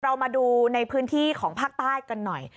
เรามาดูในพื้นที่ของภาคใต้กันหน่อย